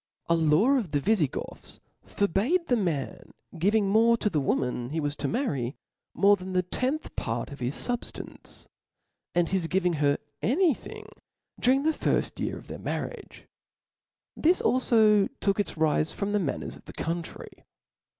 Cbap. %6. A law of the (^ Vifigoths forbad the man giving (r) Lib. 3. tnorc to the woman he was to marry than the ^'''^'^^' tenth part of his fubftance, and his giving her any thing dqring the firft year of their marriage. This alfo took its rile from the manners of the country.